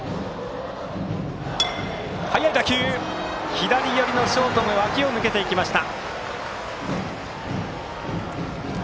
左寄りのショートの脇を抜けていきました。